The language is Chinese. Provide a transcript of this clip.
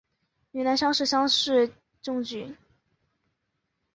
云南乡试乡试中举。